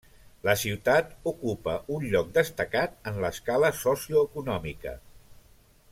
La ciutat ocupa un lloc destacat en l'escala socioeconòmica.